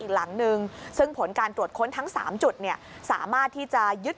อีกหลังนึงซึ่งผลการตรวจค้นทั้ง๓จุดเนี่ยสามารถที่จะยึด